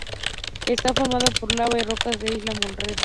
Está formada por lava y rocas de la isla Morrell.